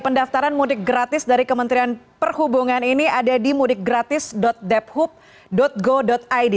pendaftaran mudik gratis dari kementerian perhubungan ini ada di mudikgratis debhub go id